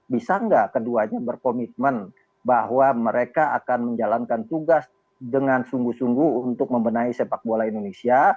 bisa nggak keduanya berkomitmen bahwa mereka akan menjalankan tugas dengan sungguh sungguh untuk membenahi sepak bola indonesia